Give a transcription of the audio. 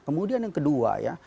kemudian yang kedua ya